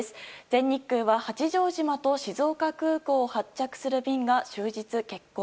全日空は八丈島と静岡空港を発着する便が終日欠航。